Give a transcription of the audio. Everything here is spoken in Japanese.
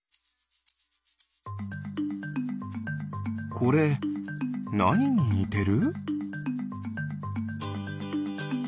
これなにににてる？